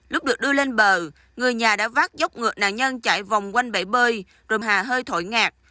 lúc được đưa lên bờ người nhà đã vác dốc ngược nạn nhân chạy vòng quanh bể bơi rồi hà hơi thổi ngạt